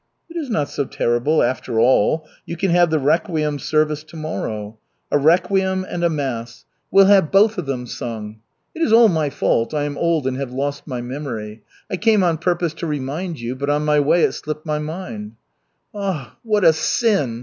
"It is not so terrible, after all. You can have the requiem service tomorrow. A requiem and a mass we'll have both of them sung. It is all my fault, I am old and have lost my memory. I came on purpose to remind you, but on my way it slipped my mind." "Ah, what a sin!